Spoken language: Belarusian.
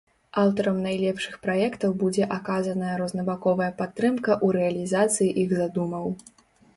Аўтарам найлепшых праектаў будзе аказаная рознабаковая падтрымка ў рэалізацыі іх задумаў.